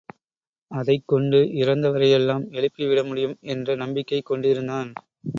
அதைக் கொண்டு இறந்தவரை எல்லாம் எழுப்பிவிட முடியும் என்ற நம்பிக்கை கொண்டிருந்தான்.